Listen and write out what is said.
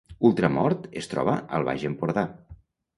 Ultramort es troba al Baix Empordà